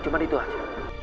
cuman itu aja